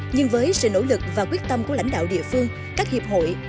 nhưng với sự nỗ lực và quyết tâm của lãnh đạo địa phương các hiệp hội